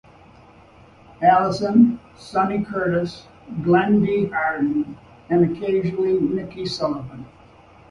Allison, Sonny Curtis, Glen D. Hardin, and occasionally Niki Sullivan.